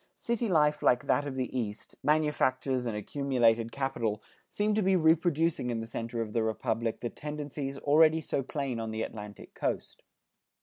City life like that of the East, manufactures and accumulated capital, seem to be reproducing in the center of the Republic the tendencies already so plain on the Atlantic Coast.